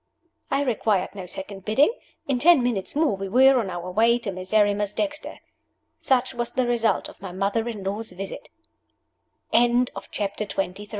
I required no second bidding. In ten minutes more we were on our way to Miserrimus Dexter. Such was the result of my mother in law's visit! CHAPTER XXIV. MISERRIMUS DEXTER FIRST VIE